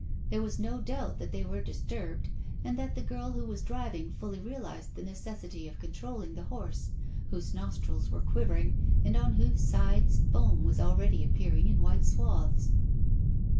There was no doubt that they were dis turbed, and that the girl who was driving fully realized the necessity of controlling the horse, whose nostrils were quivering, and on whose sides foam was already appear ing in white swathes.